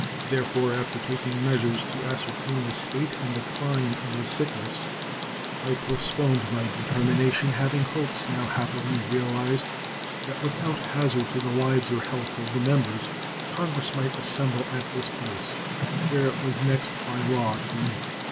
Therefore, after taking measures to ascertain the state and decline of the sickness, I postponed my determination, having hopes, now happily realized, that, without hazard to the lives or health of the members, Congress might assemble at this place, where it was next by law to meet.